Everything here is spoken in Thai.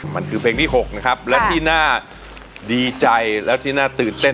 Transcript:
มันคือเพลงที่๖นะครับและที่น่าดีใจและที่น่าตื่นเต้น